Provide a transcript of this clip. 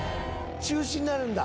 中止になるんだ。